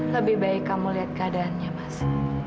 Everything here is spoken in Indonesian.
lebih baik kamu lihat keadaannya mas